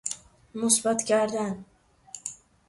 مثبت کردن